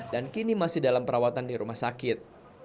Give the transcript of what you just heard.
dan kini masih dalam perawatan di rumah sakit